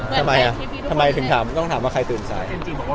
ทำไมถึงถามว่าใครตื่นสาย